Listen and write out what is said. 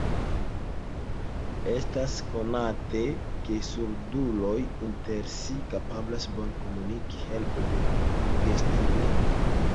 Estas konate, ke surduloj inter si kapablas bone komuniki helpe de gestlingvo.